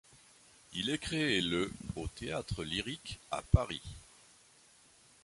Il est créé le au Théâtre-Lyrique à Paris.